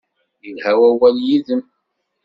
Yelha wawal yid-m.